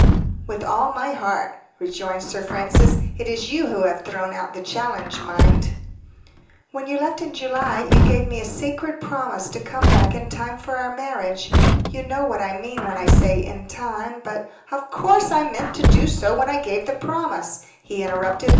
"With all my heart," returned Sir Francis. "It is you who have thrown out the challenge, mind." "When you left in July you gave me a sacred promise to come back in time for our marriage; you know what I mean when I say 'in time,' but " "Of course I meant to do so when I gave the promise," he interrupted.